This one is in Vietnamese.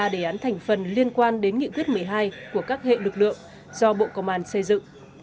ba đề án thành phần liên quan đến nghị quyết một mươi hai của các hệ lực lượng do bộ công an xây dựng